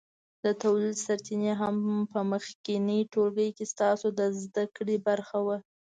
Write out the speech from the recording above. د تولید سرچینې هم په مخکېني ټولګي کې ستاسو د زده کړې برخه وه.